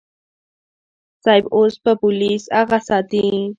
صيب اوس به پوليس اغه ساتي.